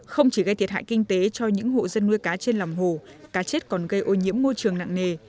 không chỉ gây thiệt hại kinh tế cho những hộ dân nuôi cá trên lòng hồ cá chết còn gây ô nhiễm môi trường nặng nề